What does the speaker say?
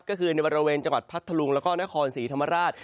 ก็คือในบริเวณจังหวัดพัทธลุงแล้วก็นครศรีธรรมราช